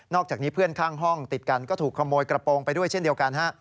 อกจากนี้เพื่อนข้างห้องติดกันก็ถูกขโมยกระโปรงไปด้วยเช่นเดียวกันฮะ